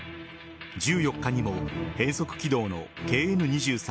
１４日にも変則軌道のＫＮ‐２３